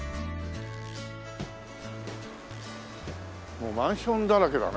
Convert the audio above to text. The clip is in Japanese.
もうマンションだらけだね。